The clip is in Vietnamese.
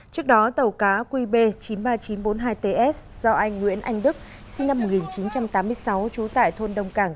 trước đó tàu cá qb chín mươi ba nghìn chín trăm bốn mươi hai ts do anh nguyễn anh đức sinh năm một nghìn chín trăm tám mươi sáu trú tại thôn đông cảng